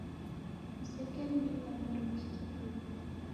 Msekemlipa mndungi kiw'iw'i